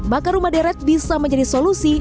maka rumah deret bisa menjadi solusi